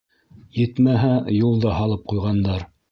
Етмәһә, юл да һалып ҡуйғандар.